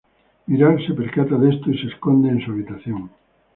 Mirai se percata de esto y se esconde en su habitación.